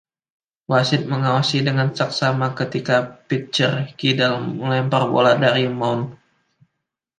Wasit mengawasi dengan saksama ketika pitcher kidal melempar bola dari mound.